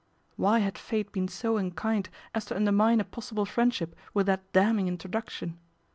" Why had Fate been so unkind is to undermine a possible friendship with that lamning introduction